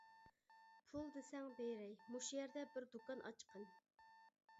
-پۇل دېسەڭ بېرەي، مۇشۇ يەردە بىر دۇكان ئاچقىن.